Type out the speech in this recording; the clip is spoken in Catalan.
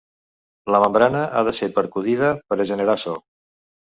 La membrana ha de ser percudida per a generar so.